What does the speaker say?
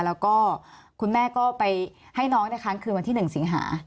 แล้วก็คุณแม่ก็ไปให้น้องค้างคืนวันที่๑สิงหา